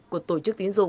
của tổ chức tín dụng